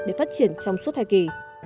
để phát triển trong suốt thai kỳ